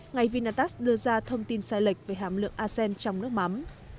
ngày vinatax đưa ra thông tin sai lệch về hàm lượng arsen trong nước mắm